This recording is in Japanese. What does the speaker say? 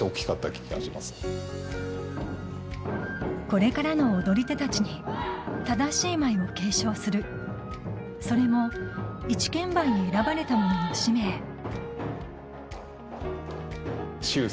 これからの踊り手たちに正しい舞を継承するそれも一剣舞に選ばれた者の使命ハハハ。